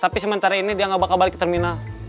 tapi sementara ini dia nggak bakal balik ke terminal